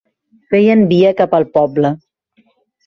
Feien via cap al poble.